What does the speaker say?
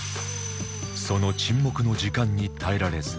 その沈黙の時間に耐えられず